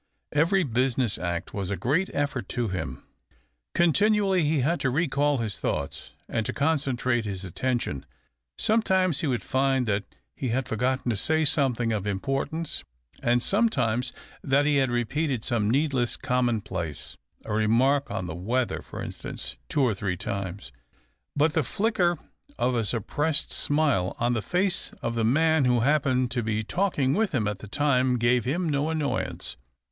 Every business act was a great THE OCTAVE OP CLAUDIUS. 285 effort to him ; continually he had to recall his thoughts and to concentrate his attention. Sometimes he would find that he had forgotten to say something of importance, and sometimes that he had repeated some needless common place — a remark on the weather, for instance — two or three times. But the flicker of a suppressed smile on the face of the man who happened to be talking with him at the time gave him no annoyance.